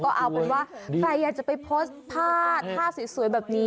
ก็เอาไว้ใครอยากจะไปโฟสท์ผ้าหน้าสวยแบบนี้